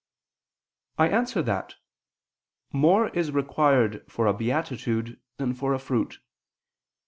I answer that, More is required for a beatitude than for a fruit.